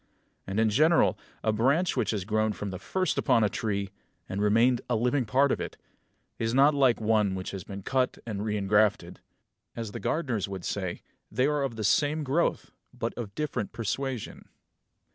And in general a branch which has grown from the first upon a tree, and remained a living part of it, is not like one which has been cut and reingrafted; as the gardeners would say, they are of the same growth but of different persuasion.